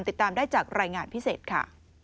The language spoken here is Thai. ติดตามได้จากรายงานพิเศษค่ะ